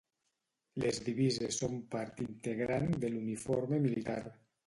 Les divises són part integrant de l'uniforme militar.